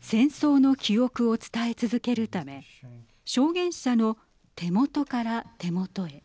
戦争の記憶を伝え続けるため証言者の手元から手元へ。